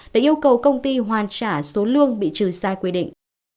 để yêu cầu công ty hoàn trả số lương bị trừ sai quy định